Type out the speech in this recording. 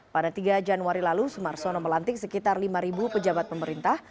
pada tiga januari lalu sumarsono melantik sekitar lima pejabat pemerintah